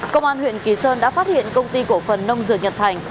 công an huyện kỳ sơn đã phát hiện công ty cổ phần nông dược nhật thành